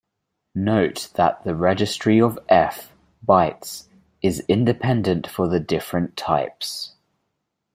Note that the registry of "F" bytes is independent for the different types.